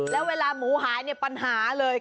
แล้วเวลาหมูหายเนี่ยปัญหาเลย